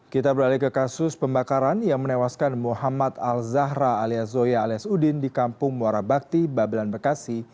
kita beralih ke kasus pembakaran yang menewaskan muhammad al zahra alias zoya alias udin di kampung muara bakti babelan bekasi